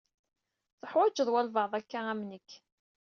Tuḥwaǧeḍ walebɛaḍ akka am nekk.